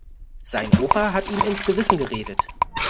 Sein Opa hat ihm ins Gewissen geredet.